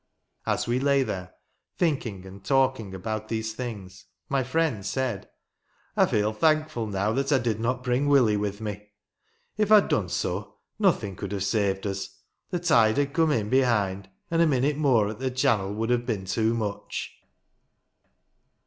As we lay there, thinking and talking about these things, my friend said, " I feel thankful now that I did not bring Willie with me. If I had done so, nothing could have saved us. The tide had come in behind, and a minute more at the channel would have been too much.